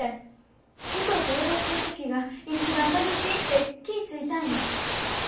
歌うて踊ってる時が一番楽しいって気ぃ付いたんや。